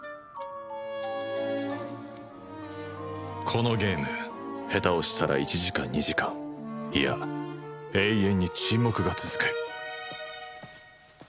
このゲーム下手をしたら１時間２時間いや永遠に沈黙が続く